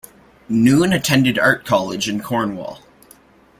Noon attended art college in Cornwall.